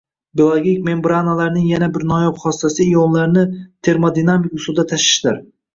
Biologik membranalarning yana bir noyob xossasi ionlarni termodinamik usulda tashishdir